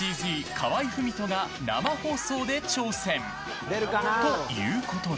河合郁人が生放送で挑戦！ということで。